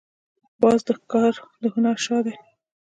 باز د ښکار د هنر شاه دی